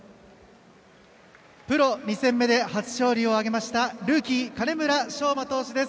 プロ２戦目で初勝利を挙げましたルーキー、金村尚真投手です。